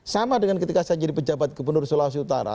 sama dengan ketika saya jadi pejabat gubernur sulawesi utara